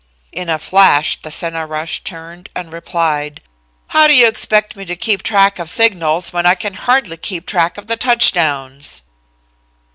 "In a flash, the center rush turned and replied: "'How do you expect me to keep track of signals, when I can hardly keep track of the touchdowns.'"